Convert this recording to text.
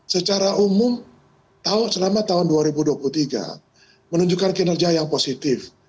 secara umum selama tahun dua ribu dua puluh tiga menunjukkan kinerja yang positif